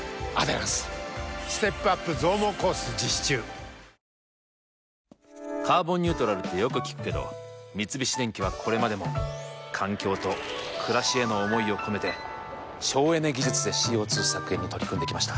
三井不動産「カーボンニュートラル」ってよく聞くけど三菱電機はこれまでも環境と暮らしへの思いを込めて省エネ技術でＣＯ２削減に取り組んできました。